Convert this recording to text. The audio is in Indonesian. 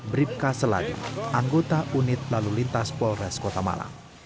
bribka seladi anggota unit lalu lintas polres kota malang